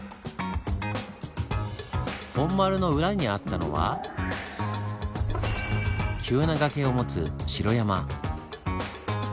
本丸の裏にあったのは急な崖を持つ城山。